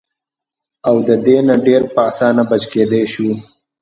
او د دې نه ډېر پۀ اسانه بچ کېدے شو -